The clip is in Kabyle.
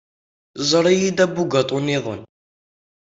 Ẓer-iyi-d abugaṭu-iḍen.